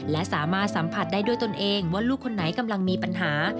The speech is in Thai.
และสามารถสัมผัสได้ด้วยตนเองว่าลูกคนไหนกำลังมีปัญหา